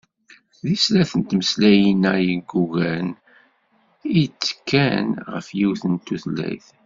Deg snat n tmeslayin-a yeggugan i ttekkan ɣer yiwet n tutlayt.